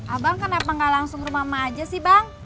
abang kenapa gak langsung ke rumah mama aja sih bang